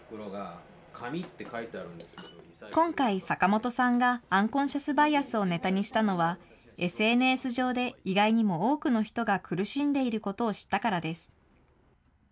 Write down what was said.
今回、阪本さんがアンコンシャス・バイアスをネタにしたのは、ＳＮＳ上で意外にも多くの人が苦しんでいることを知ったからです。